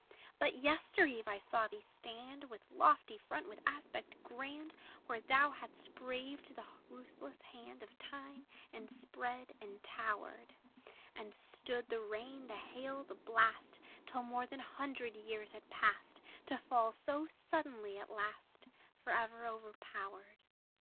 But yester eve I saw thee stand, With lofty front, with aspect grand, Where thou hadst braved the ruthless hand Of time, and spread, and towered; And stood the rain, the hail, the blast, Till more than hundred years had passed: To fall so suddenly at last, Forever overpowered!